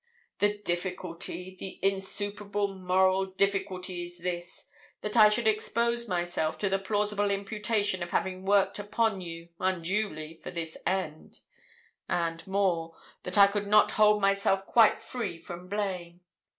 The difficulty the insuperable moral difficulty is this that I should expose myself to the plausible imputation of having worked upon you, unduly, for this end; and more, that I could not hold myself quite free from blame.